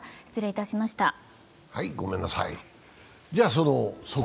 失礼いたしました。